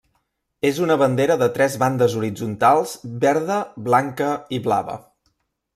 És una bandera de tres bandes horitzontals verda, blanca i blava.